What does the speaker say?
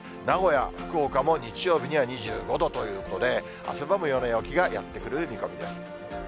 名古屋、福岡も日曜日には２５度ということで、汗ばむような陽気がやって来る見込みです。